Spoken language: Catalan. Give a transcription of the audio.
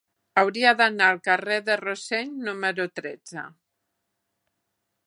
Hauria d'anar al carrer de Rossell número tretze.